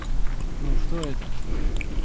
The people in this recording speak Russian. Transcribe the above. Ну, что это?